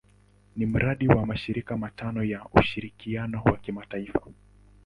Ni mradi wa mashirika matano ya ushirikiano wa kimataifa.